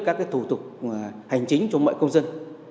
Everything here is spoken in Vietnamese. các thủ tục hành chính cho mọi công dân